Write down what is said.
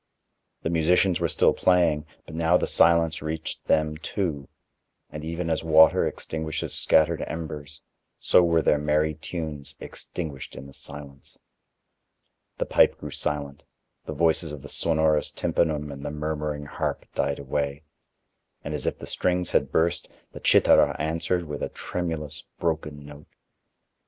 The musicians were still playing, but now the silence reached them too, and even as water extinguishes scattered embers, so were their merry tunes extinguished in the silence. The pipe grew silent; the voices of the sonorous tympanum and the murmuring harp died away; and as if the strings had burst, the cithara answered with a tremulous, broken note.